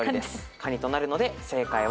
カニとなるので正解は。